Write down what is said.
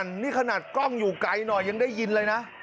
นี่ขนาดกล้องอยู่ไกลหน่อยยังได้ยินเลยนะ